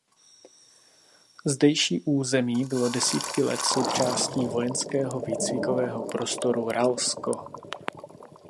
Zdejší území bylo desítky let součástí vojenského výcvikového prostoru Ralsko.